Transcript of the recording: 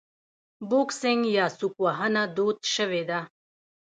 بوکسینګ یا سوک وهنه دود شوې ده.